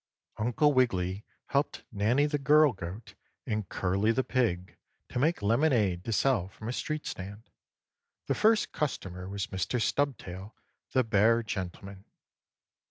3. Uncle Wiggily helped Nannie the girl goat, and Curly the pig to make lemonade to sell from a street stand. The first customer was Mr. Stubtail, the bear gentleman.